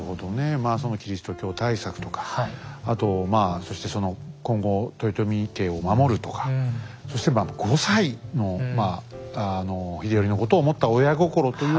まあキリスト教対策とかあとまあそして今後豊臣家を守るとかそしてまあ５歳の秀頼のことを思った親心というのもあった。